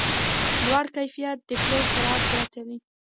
لوړ کیفیت د پلور سرعت زیاتوي.